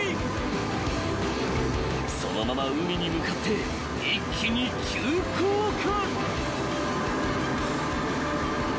［そのまま海に向かって一気に急降下］